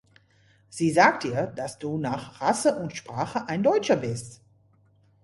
Sie sagt dir, dass du nach Rasse und Sprache ein Deutscher bist.